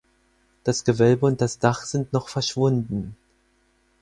Das Gewölbe und das Dach sind noch verschwunden.